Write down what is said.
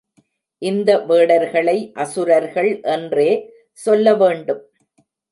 இந்த வேடர்களை அசுரர்கள் என்றே சொல்ல வேண்டும்.